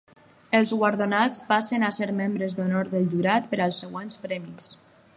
Els guardonats passen a ser membres d'honor del jurat per als següents premis.